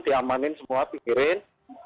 diamanin semua pikirin